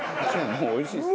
もうおいしいです。